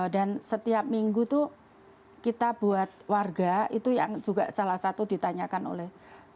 dan setiap minggu itu kita buat warga itu yang juga salah satu ditanyakan oleh